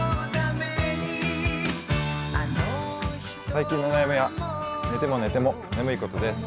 最近の悩みは寝ても寝ても眠いことです。